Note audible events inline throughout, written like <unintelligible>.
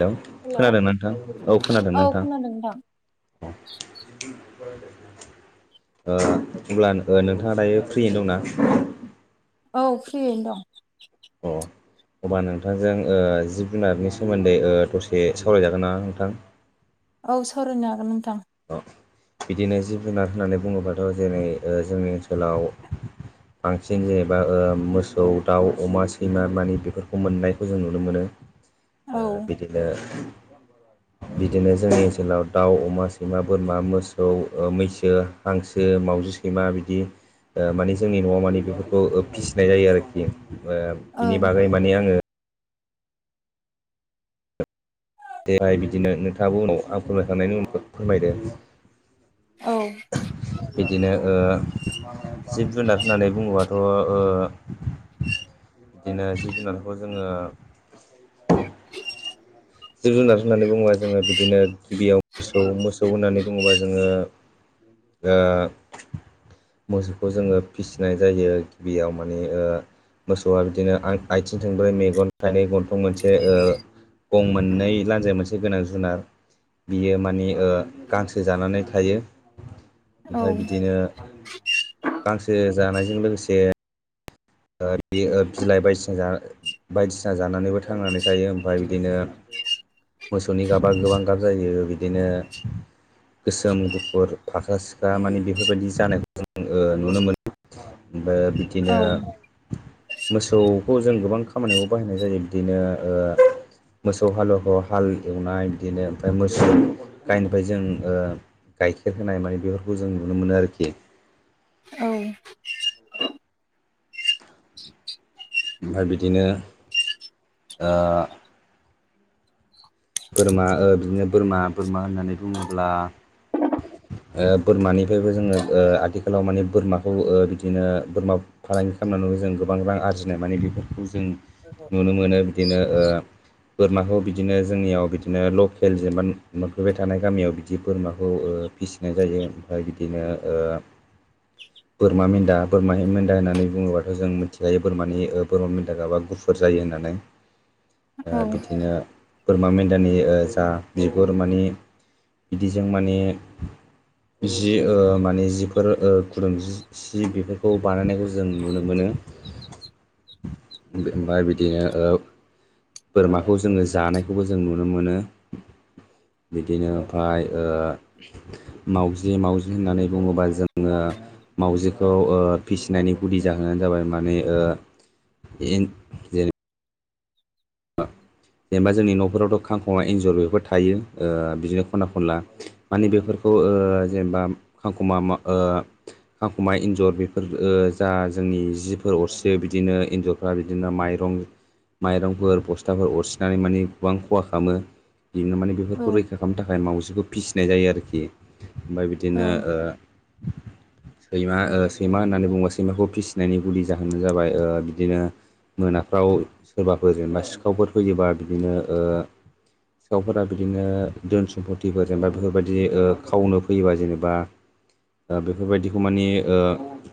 Hello खोनादों नोंथां औ खोनादों नोंथां <inaudible> खोनादों नोंथां ओ अब्ला ओ नोंथाङा दायो फ्रि दंनाा औ फ्रियैनो दं अ होमब्ला ओ नोंथांजों जिब जुनारनि सोमोन्दै ओ दसे सावरायजागोन नामा नोंथां औ सरायनो हागोन नोंथां अ बिदिनो जिब जुनार होननानै बुङोबाथ' जेरै जोंनि ओनसोलाव बांसिन जेनेबा ओ मोसौ दाउ अमा सैमा मानि बेफोरखौ मोननायखौ जों नुनो मोनो औ ओ बिदिनो बिदिनो जोंनि ओनसोलाव दाउ अमा स मा बोरमा मोसौ मैसो हांसो मावजि सैमा बिदि ओ माने जोंनि न'आव माने बेफोरखौ फिसिनाय जायो आरोखि ओ बिनि ओं बागै माने आङो देहाय बिदिनो नोंथाङाबो उनाव आं फोरमायखांनायनि उनखौ फोरमायदो। औ। बिदिनो ओ जिब जुनार होननानै बुङोबाथ' ओ बिदिनो जिब जुनारखौ जोङो जिब जुनार होननानै बुङोबा जोङो बिदिनो गिबियाव मोसौ मोसौ होननानै बुङोबा जोङो ओ मोसौखौ जोङो फिसिनाय जायो गिबियाव माने ओ मोसौआ बिदिनो आं आथिं संब्रै मेगन थाइनै गनथं मोनसे‌ ओ गं मोननै लान्जाय मोनसे गोनां जुनार बियो माने ओ गांसो जानानै थायो औ ओमफफ्राय बिदिनो गांसो जानायजों लोगोसे ओ बि ओ बिलाइ बायदिसिना‌ जाना बायदिसिना जानानैबो थांनानै थायो ओमफफ्राय बिदिनो मोसौनि गाबा गोबां गाब जायो बिदिनो गोसोम गुफुर फाख्रा सिख्रा माने बेफोरबायदि जानायखौ ओ जों नुनो मोनो। ओमफ्राय औ बिदिनो मोसौखौ जों गोबां खामानियाव बाहायनाय जायो। बिदिनो ओ मोसौ हालेवखौ हाल एवनाय बिदिनो ओमफ्राय मोसौ गायनिफ्राय जों ओ गाइखेर होनाय माने बेफोरखौ जों नुनो मोनो आरोखि। औ। ओमफ्राय बिदिनो ओ बोरमा ओ बिदिनो बोरमा बोरमा होननानै बुङोब्ला ओ बोरमानिफ्रायबो जोङो ओ आथिखालाव माने बोरमाखौ ओ बिदिनो बोरमा फालांगि खालामनानैबो जों गोबां रां आरजिनाय माने बेफोरखौ जों नुनो मोनो बिदिनो ओ बोरमाखौ बिदिनो जोंनियाव बिदिनो लकेल जेनेबा मोनफैबाय थानाय गामियाव बिदि बोरमाखौ ओ फिसिनाय जायो ओमफ्राय बिदिनो ओ बोरमा मेन्दा बोरमानि मेन्दा होननानै बुङोब्लाथ' जों मिथिखायो बोरमानि बोरमा मेन्दा गाबा गुफुर जायो होननानै। ओ औ बिदिनो बोरमा मेन्दानि ओ जा बिगुर माने बिदिजों माने जि ओ माने जिफोर ओ गुदुंजि सि बेफोरखौ बानायनायखौ जों नुनो मोनो। ओम ओमफ्राय बिदिनो ओ बोरमाखौ जोङो जानायखौबो जों नुनो मोनो। बिदिनो ओमफाय ओ मावजि मावजि होननानै बुङोबा जोङो मावजिखौ ओ फिसिनायनि गुदि जाहोनानो जाबाय माने ओ इन जेनेबा जोंनि नफोरावथ' खांखमा एन्जर बेफोर थायो ओ बिदिनो खना खनला माने बेफोरखौ ओ जेनेबा खांखमा ओ खाखमा एन्जर बेफोर ओ जा जोंनि जिफोर अरसियो बिदिनो एन्जर फ्रा बिदिनो माइरं माइरंफोर बस्थाफोर अरसि नानै माने गोबां खहा खालामो बिदिनो माने औ बेफोरखौ रैखा खालामनो थाखाय मावजिखौ फिसि फिनाय जायो आरोखि ओमफ्राय बिदिनो ओ सैमा ओ सैमा होननानै बुङोबा सैमाखौ फिसिनायनि गुदि जाहोनानो जाबाय ओ बिदिनो मोनाफ्राव सोरबाफोर जेनेबा सिखावफोर फैयोबा बिदिनो ओ सिखावफोरा बिदिनो धोन सम्फतिफोर जेनेबा बेफोरबायदि ओ खावनो फैयोबा जेनेबा बेफोरबायदिखौ माने ओ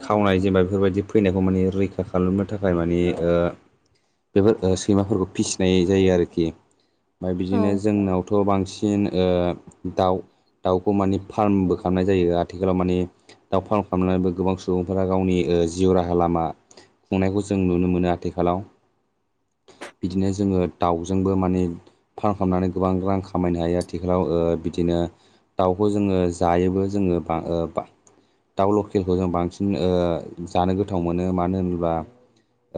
खावनाय जेनेबा बेफोरबायदि फैनायखौ माने रैखा खालामनो थाखाय माने ओ बेफोर सैमाफोरखौ फिसिनाय जायो आरोखि ।ओमफ्राय औ बिदिनो जोंनावथ' बांसिन बांसिन ओ दाउ दाउखौ माने फार्मबो खालामनाय जायो आथिखालाव माने दाव फार्म खालामनानैबो गोबां सुबुंफोरा गावनि ओ जिउ राहा लामा खुंनायखौ जों नुनो मोनो आथिखालाव बिदिनो जोङो दाउजोंबो माने फार्म खालामनानै गोबां रां खामायनो हायो आथिखालाव ओ बिदिनो दाउखौ जोङो जायोबो जोङो बा ओ बा दाउ लकेलखौ जों बांसिन ओ जानो गोथाव मोनो मानो होनोब्ला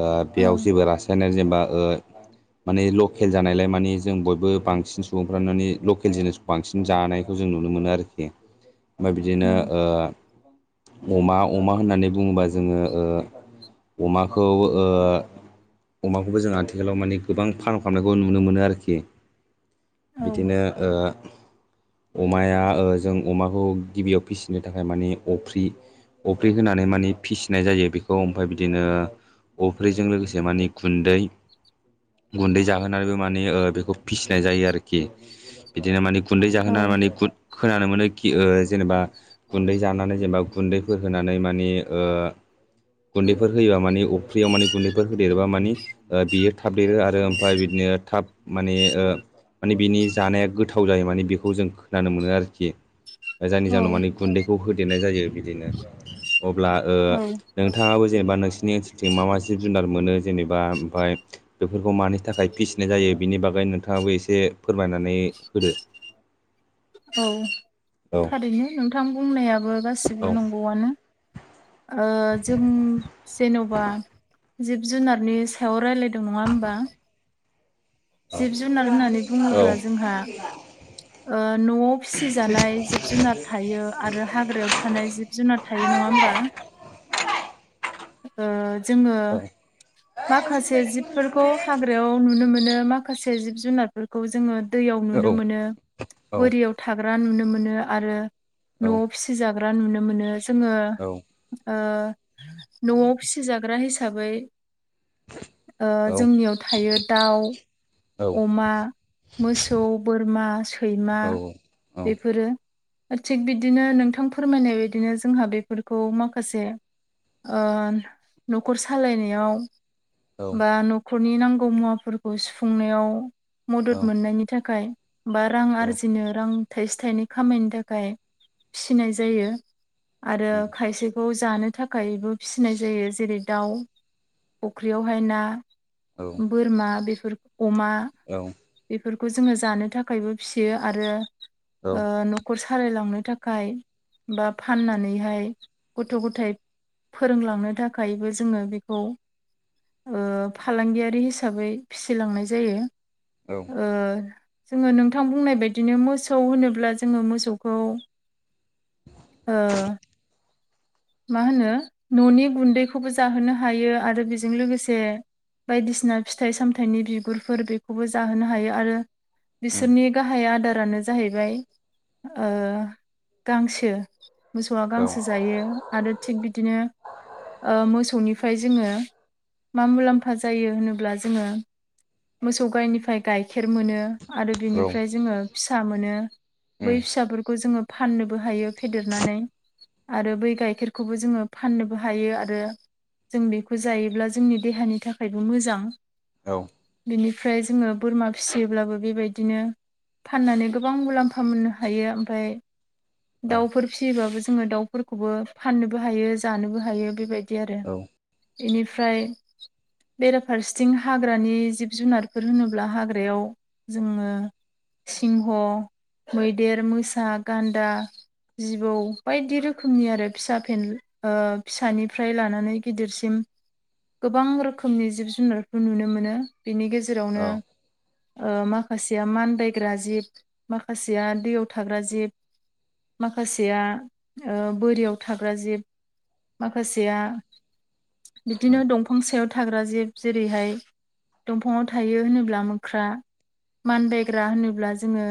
ओ ओं बेयाव जेबो रासायनारि जेनेबा ओ माने लकेल जानायलाय माने जों बयबो बांसिन सुबुंफ्रानो माने लकेल जिनिसखौ बांसिन जानायखौ जों नुनो मोनो आरोखि ओमफ्राय बिदिनो उम ओ अमा अमा होननानै बुङोबा जोङो ओ अमाखौ ओ अमाखौबो जों आथिखालाव माने गोबां फार्म खालामनायखौ नुनो मोनो आरोखि। औ बिदिनो ओ अमाया ओ जों अमाखौ गिबियाव फिसिनो थाखाय माने अफ्रि अफ्रि होनानै माने फिसिनाय जायो बेखौ ओमफाय बिदिनो अफ्रिजों लोगोसे माने गुन्दै गुन्दै जाहोनानैबो माने ओ बेखौ फिसिनाय जायो आरोखि। बिदिनो माने गुन्दै औ जाहोनानै माने गुद खोनानो मोनो कि ओ जेनेबा गुन्दै जानानै जेनेबा गुन्दैफोर होनानै मानि ओ गुन्दैफोर होयोबा मानि अफ्रियाव माने गुन्दैफोर होदेरबा मानि बियो थाब देरो आरो ओमफ्राय बिदिनो थाब माने ओ माने बिनि जानाया गोथाव जायो माने बेखौ जों खोनानो मोनो आरोखि। जायनि औ जाहोनाव मानि गुन्दैखौ होदेरनाय जायो बिदिनो। अब्ला ओ औ नोंथाङाबो जेनेबा नोंसिनि थिं मा मा जुनार मोनो जेनेबा ओमफाय बेफोरखौ मानि थाखाय फिसिनाय जायो बिनि बागै नोंथाङाबो एसे फोरमायनानै होदो। औ औ थारैनो नोंथां बुंनायाबो औ गासिबो नंगौआनो। ओ जों जेन'बा जिब जुनारनि सायाव रायज्लायदों नङा होमबा? जिब जुनार होननानै बुङोब्ला जोंहा ओ न'आव फिसिजानाय जिब जुनार थायो आरो हाग्रायाव थानाय जिब जुनार थायो नङा होमबा? ओ जोङो माखासे जिबफोरखौ हाग्रायाव नुनो मोनो माखासे जिब जुनारफोरखौ जोङो दैयाव नुनो मोनो औ बोरियाव थाग्रा नुनो मोनो आरो न'आव फिसि जाग्रा नुनो मोनो जोङो औ ओ न'आव फिसिजाग्रा हिसाबै ओ औ जोंनियाव थायो दाउ, औ अमा मोसौ, बोरमा, सैमा औ बेफोरो। थिग बिदिनो नोंथां फोरमायनाय बायदिनो जोंहा बेफोरखौ माखासे ओ न'खर सालायनायाव औ बा न' खुरनि नांगौ मुवाफोरखौ सुफुंनायाव औ मदद मोननायनि थाखाय बा रां आरजिनो रां थाइसे थाइनै खामायनो थाखाय फिसिनाय जायो। आरो उम खायसेखौ जानो खायबो फिसिनाय जायो जेरै दाउ फुख्रियावहाय ना औ बोरमा बेफोर अमा औ। बेफोरखौ जोङो जानो थाखायबो फियो आरो ओ न' खर सालायलांनो थाखाय बा फाननानैहाय गथ' गथाइ फोरोंलांनो थाखायबो जोङो बेखौ ओ फालांगियारि हिसाबै फिसिलांनाय जायो। औ। ओ जोङो नोंथां बुंनाय बायदिनो मोसौ होनोब्ला जोङो मोसौखौ ओ <unintelligible> मा होनो न'नि गुन्दैखौबो जाहोनो हायो आरो बेजों लोगोसे बायदिसिना फिथाइ सामथाइनि बिगुरफोर बेखौबो जाहोनो हायो आरो बिसोरनि गाहाय आदारानो जाहैबाय ओ गांसो। मोसौआ औ उम औ गांसो जायो। आरो थिग बिदिनो ओ मोसौनिफ्राय जोङो मा मुलाम्फा जायो होनोब्ला जोङो मोसौ गाइनिफ्राय गाइखेर मोनो आरो औ बिनिफ्राय जोङो फिसा मोनो बै फिसाफोरखौ जोङो फाननोबो हायो फेदेरनानै आरो बै गाय खेरखौबो जोङो फाननोबो हायो आरो जों बेखौ जायोब्ला जोंनि देहानि थाखायबो मोजां। औ। बिनिफ्राय जोङो बोरमा फिसियोब्लाबो बेबायदिनो फाननानै गोबां मुलाम्फा मोननो हायो ओमफ्राय दाउफोर फिसियोबाबो जोङो दाउफोरखौबो फाननोबो हायो जानोबो हायो बेबायदि बिदि आरो औ बेनिफ्राय बेराफारसेथिं हाग्रानि जिब जुनारफोर होनोब्ला हाग्रायाव जोङो सिंह मैदेर मोसा गान्दा जिबौ बायदि रोखोमनि आरो फिसा फेन फिसानिफ्राय लानानै गिदिरसिम गोबां रोखोमनि जिब जुनारफोर नुनो मोनो बेनि औ गेजेरावनो माखासेया मान बायग्रा जिब माखासेया दैयाव थाग्रा जिब माखासेया बोरियाव थाग्रा जिब माखासेया उम उम बिदिनो दंफां सायाव थाग्रा जेब जेरैहाय दंफाङाव थायो होनोब्ला मोख्रा औ मानबायग्रा होनोब्ला जोङो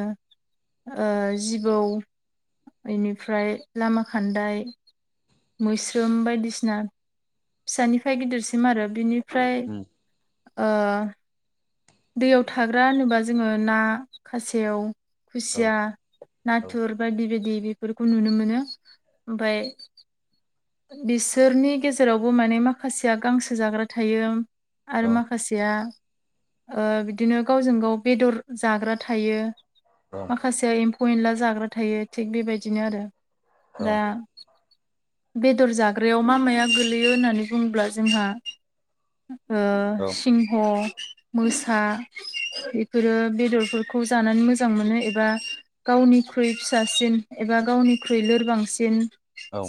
जिबौ बेनिफ्राय लामा खान्दाय मैस्रोम बायदिसिना फिसानिफ्राय गिदिरसिम आरो बिनि ओमफ्राय दैयाव थाग्रा होनोबा जोङो ना खासेयाव औ उम खुसिया नाथुर बायदि बायदि बेफोरखौ नुनो मोनो ओमफाय बिसोरनि गेजेरावबो माने माखासेया गांसो जाग्रा थायो आरो माखासेया बिदिनो गावजों गाव बेदर जाग्रा थायो माखासे ए एम्फौ एनला जाग्रा थायो थिग बेबायदिनो आरो दा बेदर जाग्रायाव मा माया गोगलैयो होननानै बुङोब्ला जोंहा सिंह मोसा बेफोरो बेदरफोरखौ जानानै मोजां मोनो एबा गावनिख्रुइ फिसासिन एबा गावनिख्रुइ लोरबांसिन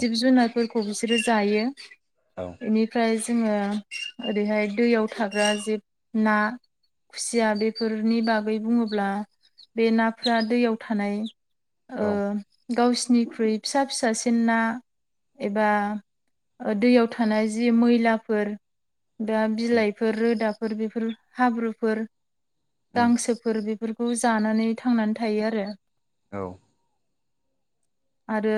जिब जुनारफोरखौ बिसोरो जायो औ बेनिफ्राय जोङो ओरैहाय दैयाव थाग्रा जे ना खुसिया बेफोरनि बागै बुङोब्ला बे नाफोरा दैयाव थानाय ओ औ गावसिनिख्रुइ फिसा फिसासिन ना एबा दैयाव थानाय जि मैलाफोर दा बिलाइफोर रोदाफोर बेफोर हाब्रुफोर गांसोफोर बेफोरखौ जानानै थांनानै थायो आरो औ आरो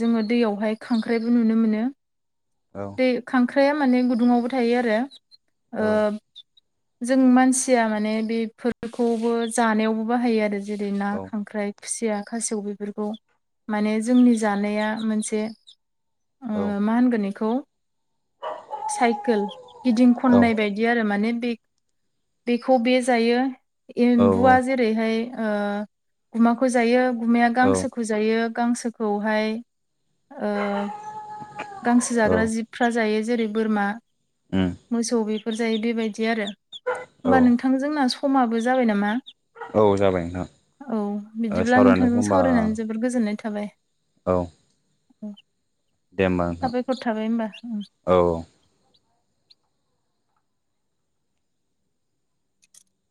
जोङो दैयावहाय खांख्राइबो नुनो मोनो औ दै खांख्राइया माने गुदुङावबो थायो आरो ओ जों मानसिया माने बेफोरखौबो जानायावबो बाहायो आरो जेरै ना खांख्राइ। खुसिया खासेव बेफोरखौ माने जोंनि जानाया मोनसे मा होनगोन बेखौ साइकेल गिदिं खननाय बायदि बि आरो मने बे बेखौ बे जायो एम्बुआ जे ओरैहाय गुमाखौ जायो गुमया गांसोखौ फुजायो गांसोखौहाय गांसो जाग्रा जिब फ्रा जायो जेरै बोरमा। उम मोसौ बेफोर जायो बेबायदि आरो औ होमबा नोंथां जोंना समाबो जाबाय नामा? औ जाबाय नोंथां औ बिदिब्ला सावरायनायखौ नोंथांजों होमबा सावरायनानै जोबोर गोजोननाय थाबाय। औ दे होमबा नोंथां साबायखर थाबाय होमबा उम। औ